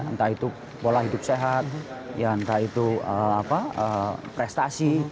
entah itu pola hidup sehat ya entah itu prestasi